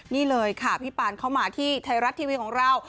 นี่เลยค่ะพี่ปานเข้ามาที่ไทยรัฐทีวีของเรา